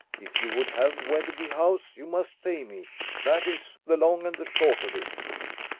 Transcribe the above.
If you would have Wetherby House you must pay me. That is the long and the short of it."